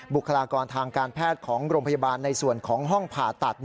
บุคลากรทางการแพทย์ของโรงพยาบาลในส่วนของห้องผ่าตัด